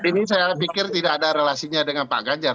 ini saya pikir tidak ada relasinya dengan pak ganjar